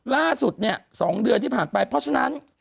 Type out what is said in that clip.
ล่าสุดเนี่ย๒เดือนที่ผ่านไปเพราะฉะนั้น